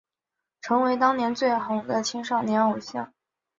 成为当年最红的青少年偶像。